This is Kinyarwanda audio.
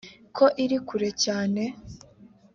ko iri kure cyane